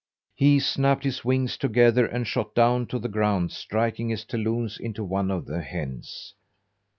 He snapped his wings together and shot down to the ground, striking his talons into one of the hens.